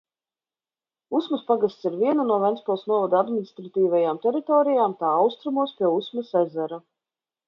Usmas pagasts ir viena no Ventspils novada administratīvajām teritorijām tā austrumos pie Usmas ezera.